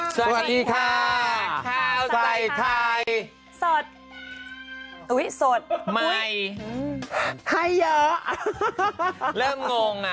สวัสดีค่ะข้าวใจใครสดอุ้ยสดไม่ให้เยอะเริ่มงงอ่ะ